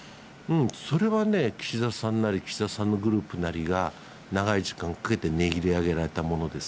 それはね、岸田さんなり、岸田さんのグループなりが、長い時間かけて練り上げられてきたものです。